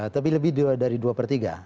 tapi lebih dari dua per tiga